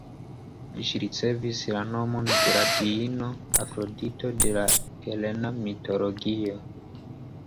Ĝi ricevis la nomon de la diino Afrodito de la helena mitologio.